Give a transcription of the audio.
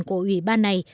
của ủy ban này